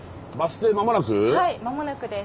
はい間もなくです。